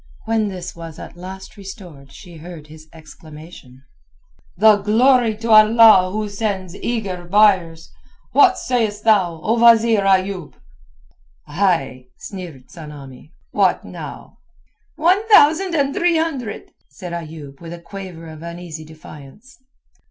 When this was at last restored she heard his exclamation— "The glory to Allah who sends eager buyers! What sayest thou, O wazeer Ayoub?" "Ay!" sneered Tsamanni, "what now?" "One thousand and three hundred," said Ayoub with a quaver of uneasy defiance.